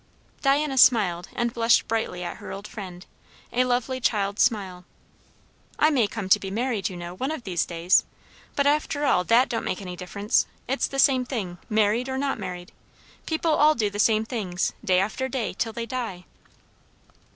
Diana smiled and blushed brightly at her old friend, a lovely child's smile. "I may come to be married, you know, one of these days! But after all, that don't make any difference. It's the same thing, married or not married. People all do the same things, day after day, till they die."